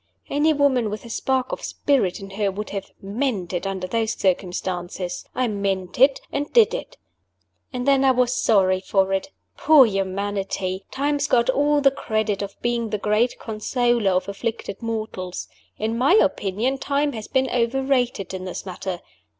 Any woman with a spark of spirit in her would have "meant" it under those circumstances. I meant it and did it. And then I was sorry for it. Poor humanity! Time has got all the credit of being the great consoler of afflicted mortals. In my opinion, Time has been overrated in this matter.